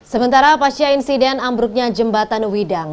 sementara pasca insiden ambruknya jembatan widang